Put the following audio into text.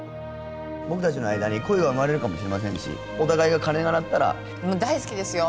僕達の間に恋が生まれるかもしれませんしお互いが鐘が鳴ったら大好きですよ